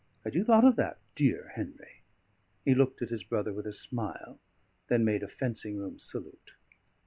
Had you thought of that, dear Henry?" He looked at his brother with a smile; then made a fencing room salute.